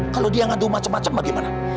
kalau dia ngadu macam macam bagaimana